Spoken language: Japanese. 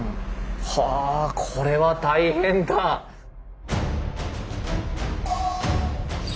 はあこれは大変だ！うお。